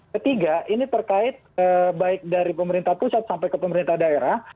ketiga ini terkait baik dari pemerintah pusat sampai ke pemerintah daerah